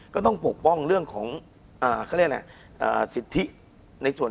คุณผู้ชมบางท่าอาจจะไม่เข้าใจที่พิเตียร์สาร